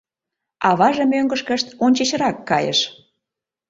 Аваже мӧҥгышкышт ончычрак кайыш.